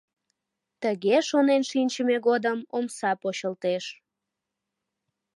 Тыге шонен шинчыме годым омса почылтеш.